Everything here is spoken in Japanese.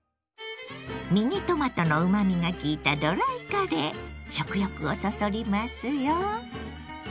ミニトマトのうまみが効いた食欲をそそりますよ。